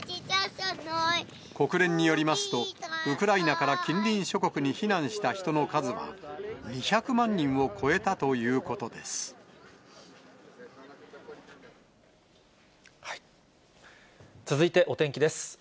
国連によりますと、ウクライナから近隣諸国に避難した人の数は、２００万人を超えたということです。